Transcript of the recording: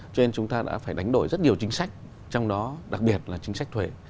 cho nên chúng ta đã phải đánh đổi rất nhiều chính sách trong đó đặc biệt là chính sách thuế